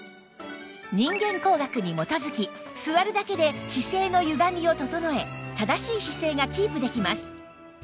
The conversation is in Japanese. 人間工学に基づき座るだけで姿勢のゆがみを整え正しい姿勢がキープできます